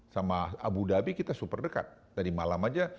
sama abu dhabi kita super dekat tadi malam aja